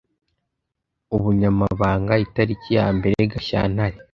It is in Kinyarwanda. ubunyamabanga itariki ya mbere gashyantare